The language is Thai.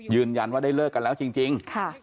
ยืนยันว่าได้เลิกกันแล้วจริง